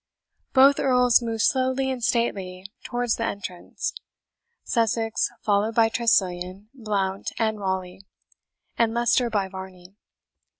Both Earls moved slowly and stately towards the entrance Sussex followed by Tressilian, Blount, and Raleigh, and Leicester by Varney.